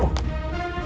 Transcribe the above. woy siapa itu